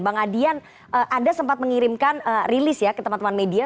bang adian anda sempat mengirimkan rilis ya ke teman teman media